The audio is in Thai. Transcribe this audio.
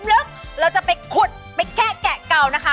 ลึกเราจะไปขุดไปแกะเก่านะคะ